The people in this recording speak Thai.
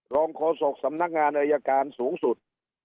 โฆษกสำนักงานอายการสูงสุด